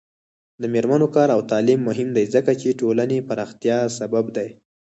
د میرمنو کار او تعلیم مهم دی ځکه چې ټولنې پراختیا سبب دی.